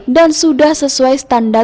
dan sudah sesuai standard